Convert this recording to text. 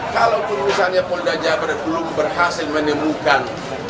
kalau perusahaannya polda jabar belum berhasil menemukan